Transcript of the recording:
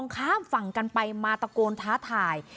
ข้ามฝั่งกันไปมาตะโกนท้าทาย